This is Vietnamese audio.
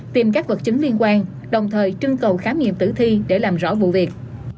tìm các vật chứng liên quan đồng thời trưng cầu khám nghiệm tử thi để làm rõ vụ việc